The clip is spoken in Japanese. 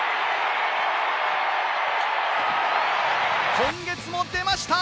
今月も出ました！